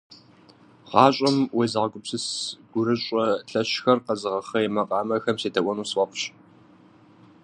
ГъащӀэм уезыгъэгупсыс, гурыщӀэ лъэщхэр къэзыгъэхъей макъамэхэм седэӀуэну сфӀэфӀщ.